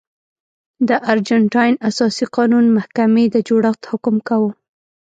د ارجنټاین اساسي قانون محکمې د جوړښت حکم کاوه.